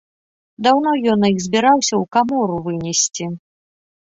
Даўно ён іх збіраўся ў камору вынесці.